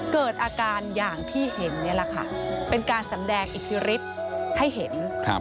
เกิดอาการอย่างที่เห็นนี่แหละค่ะเป็นการสำแดงอิทธิฤทธิ์ให้เห็น